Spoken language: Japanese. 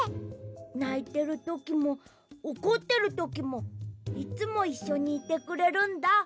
ないてるときもおこってるときもいつもいっしょにいてくれるんだ。